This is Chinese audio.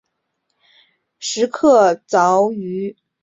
石刻凿于黄砂石崖壁上。